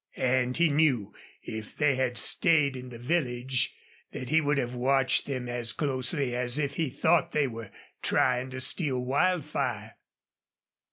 And he knew if they had stayed in the village that he would have watched them as closely as if he thought they were trying to steal Wildfire.